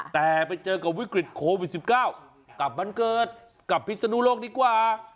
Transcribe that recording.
แต่ไปเจอกับวิกฤตโควิด๑๙กลับวันเกิดกับพิศนุโลกดีกว่า